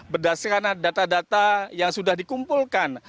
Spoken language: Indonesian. berdasarkan data data yang sudah dikumpulkan